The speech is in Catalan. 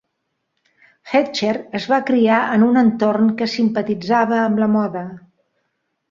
Hechter es va criar en un entorn que simpatitzava amb la moda.